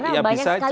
ya bisa saja